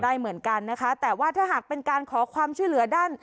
ได้เหมือนกันนะคะแต่ว่าถ้าหากเป็นการขอความช่วยเหลือด้าน